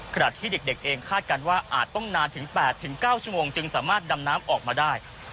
ขณะที่เด็กเองคาดการณ์ว่าอาจต้องนานถึง๘๙ชั่วโมงจึงสามารถดำน้ำออกมาได้